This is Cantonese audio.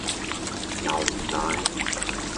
牛奶